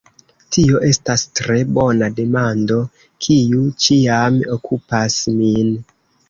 Tio estas tre bona demando, kiu ĉiam okupas min.